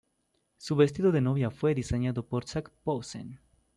Su vestido de novia fue diseñado por Zac Posen.